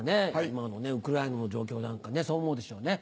今のウクライナの状況なんかそう思うでしょうね。